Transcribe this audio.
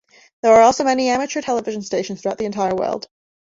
There are also many amateur television stations throughout the entire world.